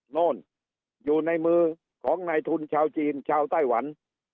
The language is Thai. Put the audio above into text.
โน่นอยู่ในมือของนายทุนชาวจีนชาวไต้หวัน